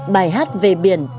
bài hát về biển